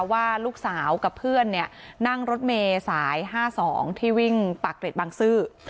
ว่าลูกสาวกับเพื่อนนั่งรถเมย์สาย๕๒ที่วิ่งปากเกร็ดบางซื่อ